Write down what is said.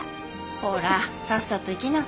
ほらさっさと行きなさいよ。